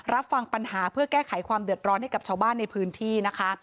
รับฟังปัญหาเพื่อแก้ไขความเดือดร้อนให้กับชาวบ้านในพื้นที่นะคะ